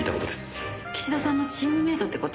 岸田さんのチームメートって事？